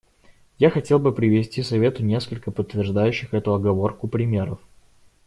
Я хотел бы привести Совету несколько подтверждающих эту оговорку примеров.